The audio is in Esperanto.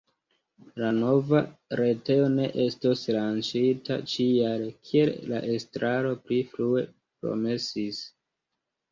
La nova retejo ne estos lanĉita ĉi-jare, kiel la estraro pli frue promesis.